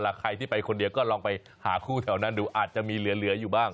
ใครที่ไปคนเดียวก็ลองไปหาคู่แถวนั้นดูอาจจะมีเหลืออยู่บ้าง